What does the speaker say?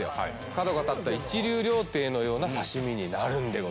角が立った一流料亭のような刺身になるんでございます